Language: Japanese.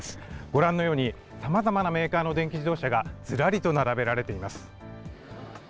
ご覧のように、さまざまなメーカーの電気自動車がずらりと並べられています。